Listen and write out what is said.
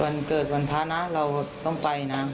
วันเกิดวันพระนะเราต้องไปนะ